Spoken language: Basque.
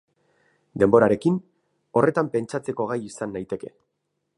Denborarekin, horretan pentsatzeko gai izan naiteke.